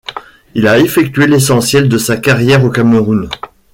Il a effectué l'essentiel de sa carrière au Cameroun.